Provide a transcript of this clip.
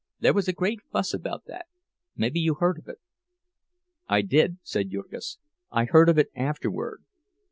There was a great fuss about that—maybe you heard of it." "I did," said Jurgis, "I heard of it afterward."